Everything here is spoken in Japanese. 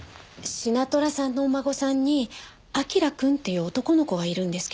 シナトラさんのお孫さんに彬くんっていう男の子がいるんですけど。